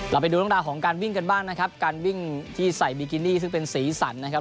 ไปดูเรื่องราวของการวิ่งกันบ้างนะครับการวิ่งที่ใส่บิกินี่ซึ่งเป็นสีสันนะครับ